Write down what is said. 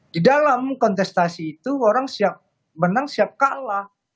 di dalam kontestasi itu orang siap menang siap kalah